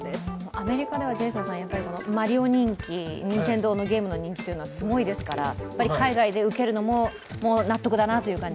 アメリカではマリオ人気、任天堂のゲームの人気はすごいですから海外でウケるのも納得だなという感じ？